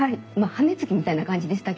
羽根つきみたいな感じでした